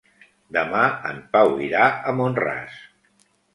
Demà en Pau irà a Mont-ras.